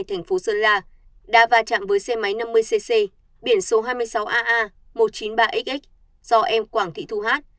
thành phố sơn la đã va chạm với xe máy năm mươi cc biển số hai mươi sáu aa một trăm chín mươi ba xx do em quảng thị thu hát